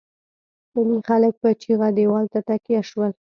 پلې خلک په چيغه دېوال ته تکيه شول.